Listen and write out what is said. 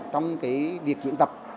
trong việc diễn tập